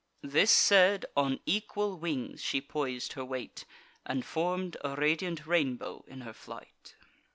This said, on equal wings she pois'd her weight, And form'd a radiant rainbow in her flight.